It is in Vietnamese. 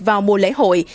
vào mùa lễ hội